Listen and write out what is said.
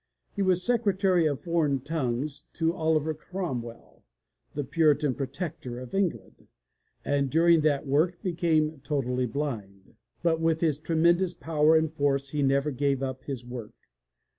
He was Secretary for Foreign Tongues to Oliver Cromwell, the Puritan Protector of England, and during that work became totally blind. But with his tremendous power and force he never gave up his work.